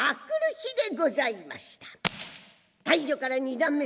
「大序」から「二段目」